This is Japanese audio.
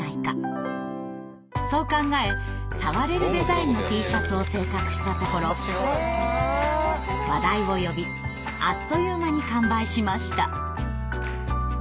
そう考え触れるデザインのＴシャツを制作したところ話題を呼びあっという間に完売しました。